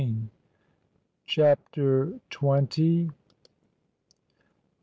CHAPTER TWENTY.